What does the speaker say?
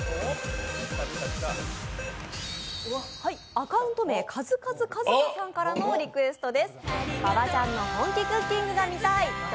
アカウント名、カズカズカズカさんからのリクエストです。